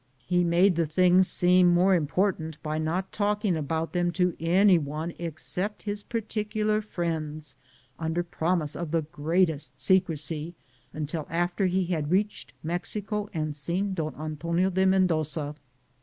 He made the things seem more important by not talking about them to anyone except his particular friends, under promise of the greatest secrecy, until after he had reached Mexico and seen Don Antonio de Mendoza.